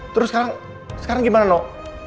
terus sekarang sekarang gimana noh